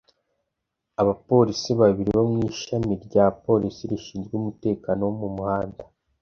abapolisi babiri bo mu ishami rya polisi rishinzwe umutekano wo mu muhanda t